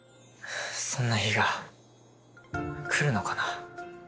そんな日が来るのかな。